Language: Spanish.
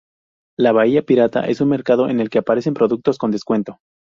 La bahía pirata es un mercado en el que aparecen productos con descuento.